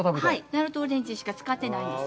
なるとオレンジしか使ってないんです。